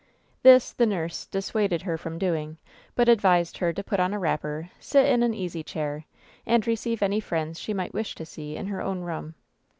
This the nurse dis suaded her from doing, but advised her to put on a wrapper, sit in an easy chair, and receive any friends she might wish to see in her own room.